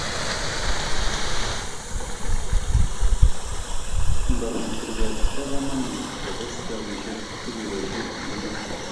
Ngobit rubet kobo komonut ketes chogesiek asikeboisie eng kemeut